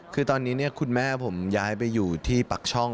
คือตอนนี้คุณแม่ผมย้ายไปอยู่ที่ปักช่อง